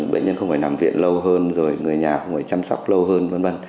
bệnh nhân không phải nằm viện lâu hơn rồi người nhà không phải chăm sóc lâu hơn v v